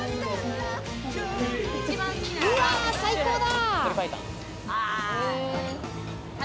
うわ最高だ。